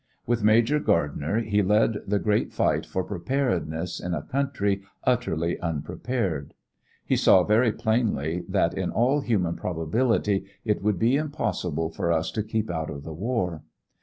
With Major Gardner he led the great fight for preparedness in a country utterly unprepared He saw very plainly that in all human probability it would be impossible for us to keep out of the war.